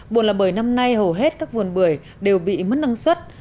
buồn là bởi năm nay hầu hết các vườn bưởi đều bị mất năng suất